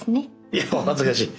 いやお恥ずかしい。